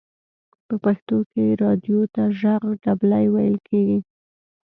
په پښتو کې رادیو ته ژغ ډبلی ویل کیږی.